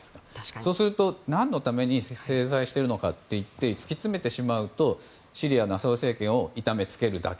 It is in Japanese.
そうすると何のために制裁しているのかといって突き詰めてしまうとシリアのアサド政権を痛めつけるだけ。